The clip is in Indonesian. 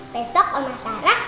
besok omah sarah